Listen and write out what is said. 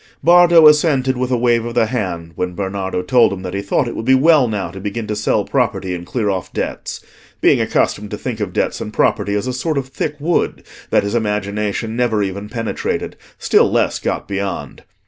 Bardo assented with a wave of the hand when Bernardo told him that he thought it would be well now to begin to sell property and clear off debts; being accustomed to think of debts and property as a sort of thick wood that his imagination never even penetrated, still less got beyond.